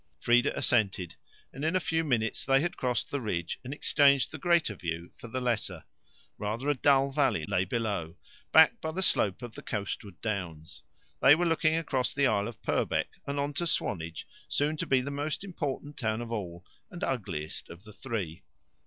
Frieda assented, and in a few minutes they had crossed the ridge and exchanged the greater view for the lesser. Rather a dull valley lay below, backed by the slope of the coastward downs. They were looking across the Isle of Purbeck and on to Swanage, soon to be the most important town of all, and ugliest of the three.